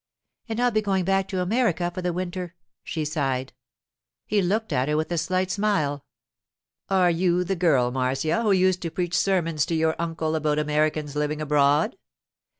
'And I'll be going back to America for the winter,' she sighed. He looked at her with a slight smile. 'Are you the girl, Marcia, who used to preach sermons to your uncle about Americans living abroad?